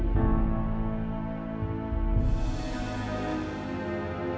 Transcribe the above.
kamu tahu kalau si bawar anaknya si isa membantu itu